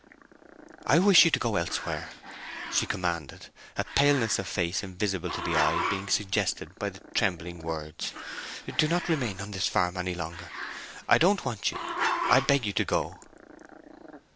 "I wish you to go elsewhere," she commanded, a paleness of face invisible to the eye being suggested by the trembling words. "Do not remain on this farm any longer. I don't want you—I beg you to go!"